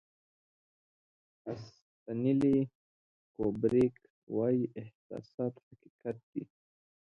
استنلي کوبریک وایي احساسات حقیقت دی.